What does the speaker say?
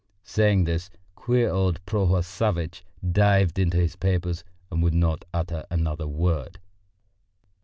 Saying this, queer old Prohor Savvitch dived into his papers and would not utter another word.